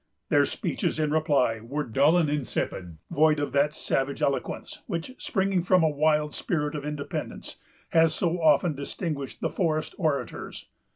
Their speeches in reply were dull and insipid, void of that savage eloquence, which, springing from a wild spirit of independence, has so often distinguished the forest orators.